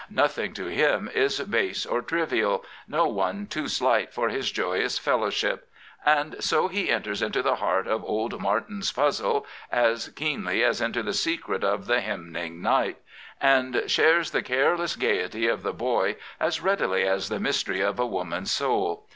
Nothing to him is base or trivial, no one too slight for his joyous fellowship; and so he enters into the heart of " Old Martin's Puzzle " as keenly as into the secret of the " hymning night," and shares the careless gaiety of the boy as readily as the mystery of a woman's soul.